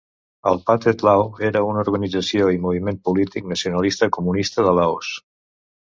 El Pathet Lao era una organització i moviment polític nacionalista comunista de Laos.